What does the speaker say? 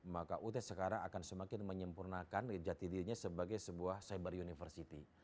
maka ut sekarang akan semakin menyempurnakan jati dirinya sebagai sebuah cyber university